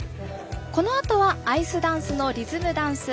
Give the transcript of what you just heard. このあとはアイスダンスのリズムダンス。